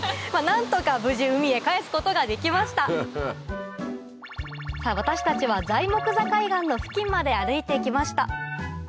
何とか無事海へかえすことができました私たちは材木座海岸の付近まで歩いて来ました